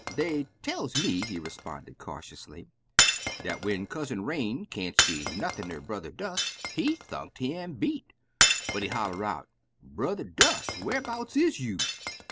"Dey tells me," he responded cautiously, "dat when Cousin Rain can't see nothin' er Brother Dust, he thunk he am beat, but he holla out, 'Brer Dust, wharbouts is you?'